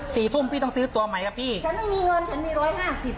สี่ทุ่มพี่ต้องซื้อตัวใหม่อ่ะพี่ฉันไม่มีเงินฉันมีร้อยห้าสิบ